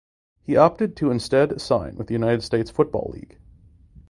He opted to instead sign with the United States Football League.